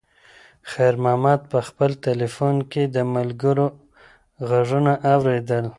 خیر محمد په خپل تلیفون کې د ملګرو غږونه اورېدل.